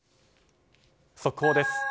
速報です。